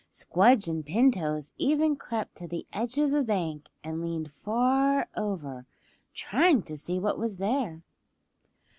Squdge and Pin Toes even crept to the edge of the bank and leaned far over trying to see what was there.